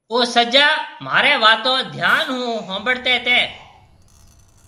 او سجا مهاريَ واتون ڌيان هون هونبڙتي تي۔